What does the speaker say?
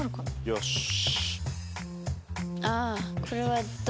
よし。